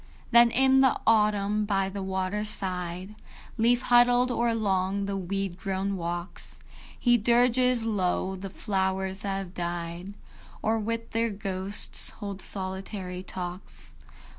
III. Then in the autumn, by the waterside, Leaf huddled; or along the weed grown walks, He dirges low the flowers that have died, Or with their ghosts holds solitary talks.